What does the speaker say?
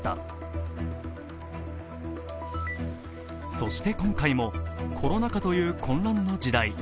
そして今回もコロナ禍という混乱の時代。